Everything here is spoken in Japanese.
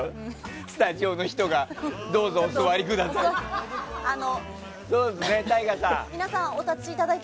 スタジオの人がどうぞお座りくださいって。